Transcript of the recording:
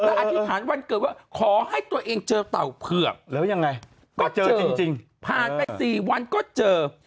และอธิษฐานวันเกิดว่าขอให้ตัวเองเจอเต่าเผือกแล้วยังไงก็เจอจริงผ่านไป๔วันก็เจอ